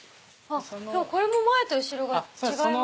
これも前と後ろが違いますね。